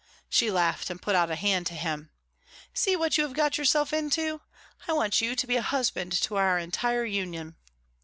She laughed and put out a hand to him. "See what you have got yourself into? I want you to be a husband to our entire union."